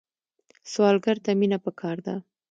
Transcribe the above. سوالګر ته مینه پکار ده